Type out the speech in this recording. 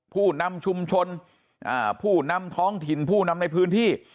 ผู้นำชุมชนผู้นำท้องถิ่นผู้นำในพื้นที่